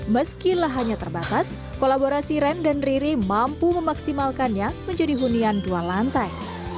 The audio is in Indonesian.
meski lahannya terbatas kolaborasi rem dan riri mampu memaksimalkannya menjadi hunian dua lantai